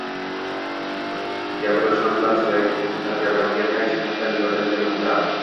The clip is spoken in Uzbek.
Yadroshunoslar zargarlarga qay jihatdan yordam bermoqda?